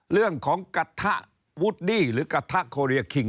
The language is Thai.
เรื่องของกระทะวูดดี้หรือกระทะโคเรียคิง